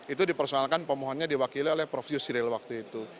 itu dipersoalkan pemohonnya diwakili oleh prof yusril waktu itu